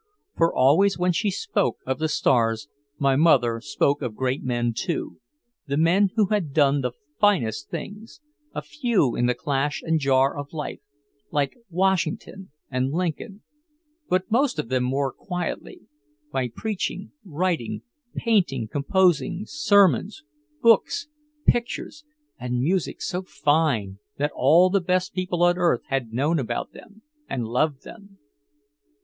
For always when she spoke of the stars my mother spoke of great men too, the men who had done the "finest" things a few in the clash and jar of life like Washington and Lincoln, but most of them more quietly, by preaching, writing, painting, composing, sermons, books, pictures and music so "fine" that all the best people on earth had known about them and loved them.